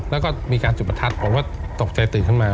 แล้วก็มีการจุดประทัดผมก็ตกใจตื่นขึ้นมา